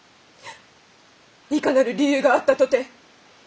いかなる理由があったとて